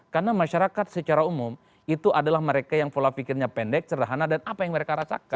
karena masyarakat secara umum itu adalah mereka yang pola pikirnya pendek sederhana dan apa yang mereka rasakan